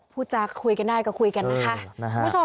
พูดจากคุยกันได้ก็คุยกันนะคะ